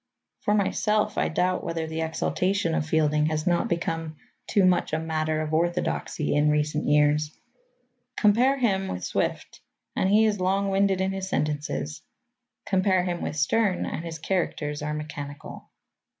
For myself, I doubt whether the exaltation of Fielding has not become too much a matter of orthodoxy in recent years. Compare him with Swift, and he is long winded in his sentences. Compare him with Sterne, and his characters are mechanical.